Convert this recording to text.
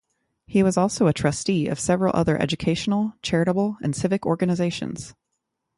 He was also a trustee of several other educational, charitable and civic organizations.